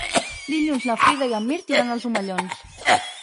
Dilluns na Frida i en Mirt iran als Omellons.